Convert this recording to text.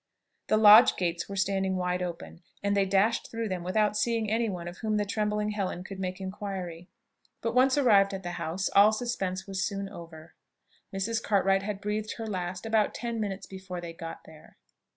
The lodge gates were standing wide open, and they dashed through them without seeing any one of whom the trembling Helen could make inquiry; but once arrived at the house, all suspense was soon over: Mrs. Cartwright had breathed her last about ten minutes before they got there.